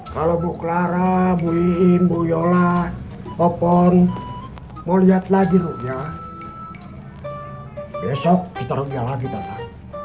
kalau bu clara bu iin bu yola popon mau lihat lagi rukyah besok kita rukyah lagi pak